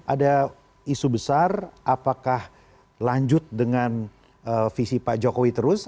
ada isu besar apakah lanjut dengan visi pak jokowi terus